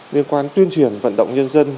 liên quan tuyên truyền vận động